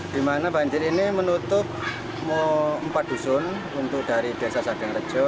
di mana banjir ini menutup empat dusun untuk dari desa sadeng rejo